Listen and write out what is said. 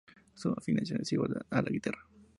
Su afinación es igual a la guitarra.